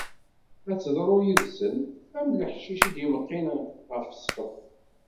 Ad teḍru yid-sen am leḥcic i d-imeqqin ɣef ssqef.